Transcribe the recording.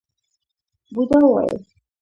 بوډا وويل: